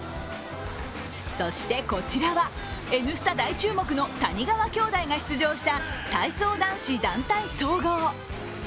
そしてこちらは「Ｎスタ」大注目の谷川兄弟が出場した体操男子団体総合。